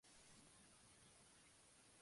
La pantalla o el control por voz se usa más.